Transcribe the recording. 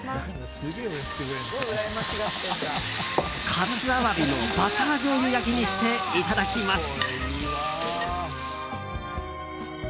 活アワビのバターしょうゆ焼きにしていただきます。